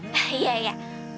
jangan bantuin aku ya